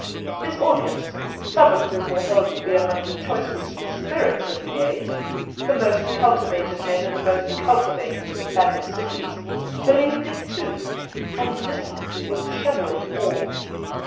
His audience, some of whom were held to be among the choicest spirits of the age—the most cultivated men in the most cultivated of Italian cities—believed it too, and listened with shuddering awe.